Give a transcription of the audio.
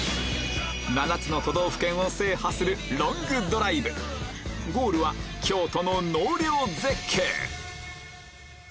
７つの都道府県を制覇するゴールは京都の納涼絶景